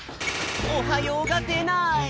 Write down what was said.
「おはよう」がでない！